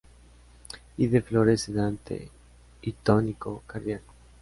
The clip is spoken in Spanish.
Y de flores sedante y tónico cardíaco.